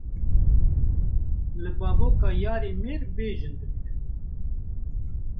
Li bavoka yarê mêr bê jin dimînin.